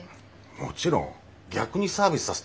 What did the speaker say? もちろん逆にサービスさせてよ。